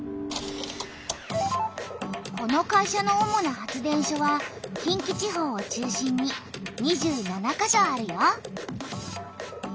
この会社の主な発電所は近畿地方を中心に２７か所あるよ。